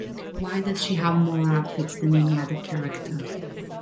Why does she have more outfits than any other character?